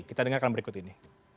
kita dengarkan berikut ini